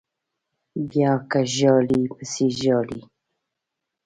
بیا که ژاړئ پسې ژاړئ